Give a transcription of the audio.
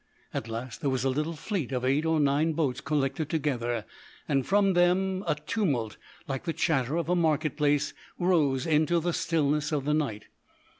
At last there was a little fleet of eight or nine boats collected together, and from them a tumult, like the chatter of a marketplace, rose into the stillness of the night.